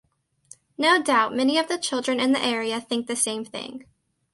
No doubt many of the children in the area think the same thing.